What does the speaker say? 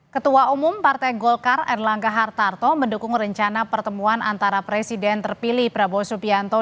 ketua umum partai golkar erlangga hartarto mendukung rencana pertemuan antara presiden terpilih prabowo subianto